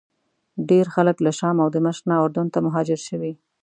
ډېر خلک له شام او دمشق نه اردن ته مهاجر شوي.